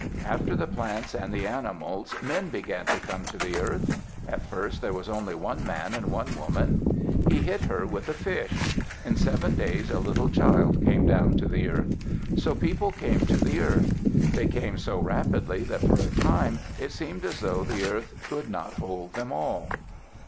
After the plants and the animals, men began to come to the earth. At first there was only one man and one woman. He hit her with a fish. In seven days a little child came down to the earth. So people came to the earth. They came so rapidly that for a time it seemed as though the earth could not hold them all.